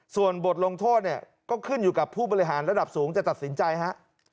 ส่วนบทลงโทษเนี่ยก็ขึ้นอยู่กับผู้บริหารระดับสูงจะตัดสินใจฮะ